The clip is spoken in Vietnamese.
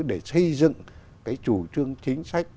để xây dựng cái chủ trương chính sách